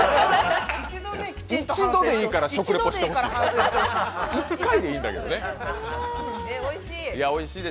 一度でいいから反省してほしい。